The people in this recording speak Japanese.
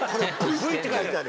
「Ｖ」って書いてある。